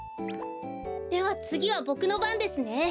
ではつぎはボクのばんですね。